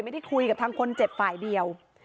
ไม่ได้คุยกับทางคนเจ็บฝ่ายเดียว